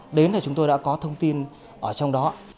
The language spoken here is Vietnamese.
đến thì chúng tôi đã có thông tin ở trong đó